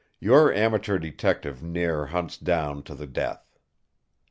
Your amateur detective never hunts down to the death.